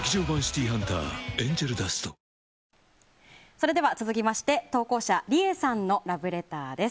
それでは、続きまして投稿者リエさんのラブレターです。